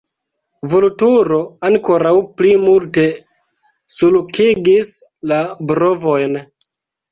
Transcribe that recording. Vulturo ankoraŭ pli multe sulkigis la brovojn.